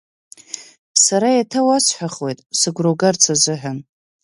Сара еиҭауасҳәахуеит, сыгәра угарц азыҳәан.